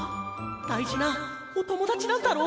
だいじなおともだちなんだろ？